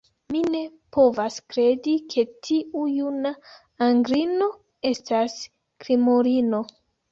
Mi ne povas kredi, ke tiu juna anglino estas krimulino.